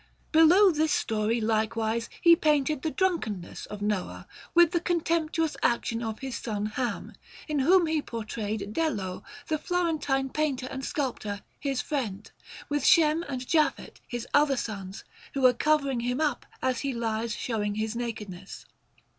Below this story, likewise, he painted the drunkenness of Noah, with the contemptuous action of his son Ham in whom he portrayed Dello, the Florentine painter and sculptor, his friend with Shem and Japhet, his other sons, who are covering him up as he lies showing his nakedness.